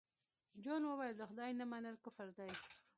جون وویل د خدای نه منل کفر دی